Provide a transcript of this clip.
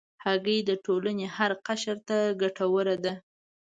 هګۍ د ټولنې هر قشر ته ګټوره ده.